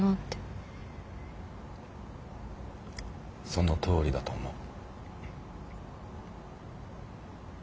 そのとおりだと思う。